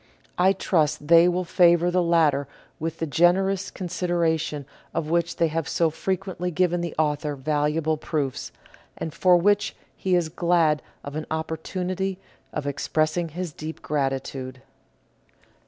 I trust they will favour the latter with the generous considera tion of which they have so frequently given the author valuable proofs, and for which he is glad of an opportunity of expressing his deep gratitude.